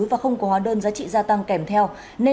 và không có hóa đơn giá trị gia tăng kèm theo